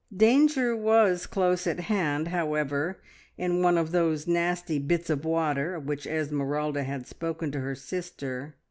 Danger was close at hand, however, in one of those nasty "bits of water" of which Esmeralda had spoken to her sister.